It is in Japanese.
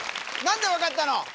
何で分かったの？